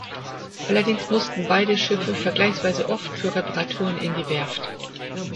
Allerdings mussten beide Schiffe vergleichsweise oft für Reparaturen in die Werft.